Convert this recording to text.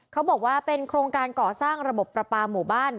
เขาบอกว่าเป็นโครงการก่อสร้างระบบประปาหมู่บ้าน